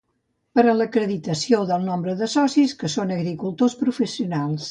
Per a l'acreditació del nombre de socis que són agricultors professionals.